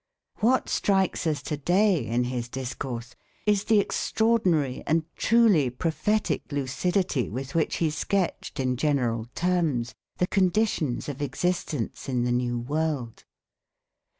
What strikes us to day in his discourse is the extraordinary and truly prophetic lucidity with which he sketched in general terms the conditions of existence in the new world.